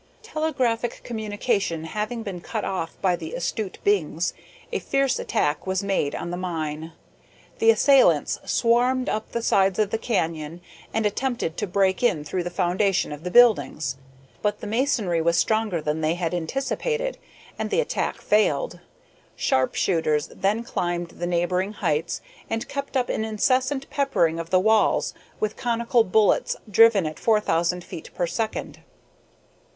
Telegraphic communication having been cut off by the astute Bings, a fierce attack was made on the mine. The assailants swarmed up the sides of the canyon, and attempted to break in through the foundation of the buildings. But the masonry was stronger than they had anticipated, and the attack failed. Sharp shooters then climbed the neighboring heights, and kept up an incessant peppering of the walls with conical bullets driven at four thousand feet per second.